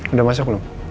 udah masak belum